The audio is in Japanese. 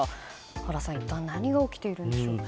原さん、一体何が起きているでしょうか。